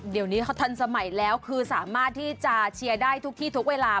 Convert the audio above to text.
เดี๋ยวนี้เขาทันสมัยแล้วคือสามารถที่จะเชียร์ได้ทุกที่ทุกเวลา